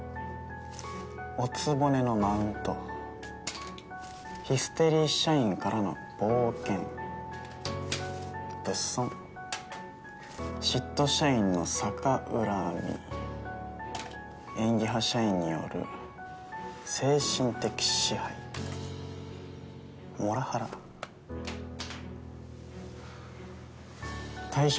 おつぼねのマウントヒステリー社員からの暴言物損嫉妬社員の逆恨み演技派社員による精神的支配モラハラ退職